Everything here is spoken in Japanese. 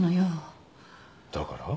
だから？